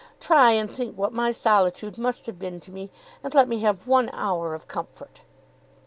Try and think what my solitude must have been to me, and let me have one hour of comfort."